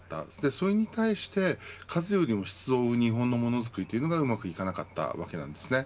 それに対して数よりも質を追う日本のものづくりがうまくいかなかったわけです。